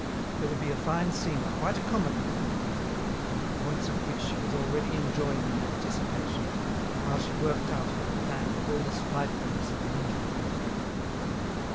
There would be a fine scene, quite a comedy, indeed, the points of which she was already enjoying in anticipation, while she worked out her plan with all the spitefulness of an injured woman.